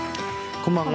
こんばんは。